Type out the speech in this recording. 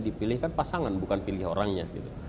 dipilihkan pasangan bukan pilih orangnya